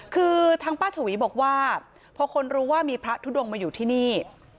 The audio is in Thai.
คือทางป้าชวีบอกว่าพอคนรู้ว่ามีพระทุดงมาอยู่ที่นี่